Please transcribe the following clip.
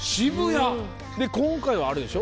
で今回はあれでしょ？